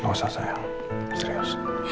nggak usah sayang serius